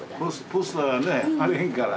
ポスターね貼れへんから。